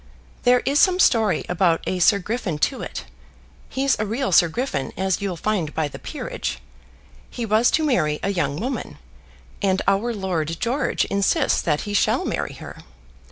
There is some story about a Sir Griffin Tewett. He's a real Sir Griffin, as you'll find by the peerage. He was to marry a young woman, and our Lord George insists that he shall marry her.